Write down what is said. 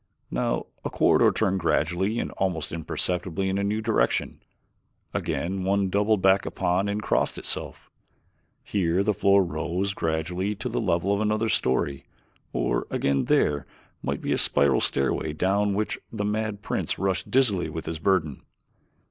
Now a corridor turned gradually and almost imperceptibly in a new direction, again one doubled back upon and crossed itself; here the floor rose gradually to the level of another story, or again there might be a spiral stairway down which the mad prince rushed dizzily with his burden.